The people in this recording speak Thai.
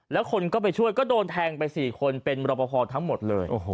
แล้วคนก็ไปช่วยก็โดนแทงไป๔คนเป็นรอปภทั้งหมดเลย